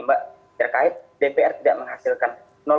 mbak terkait dpr tidak menghasilkan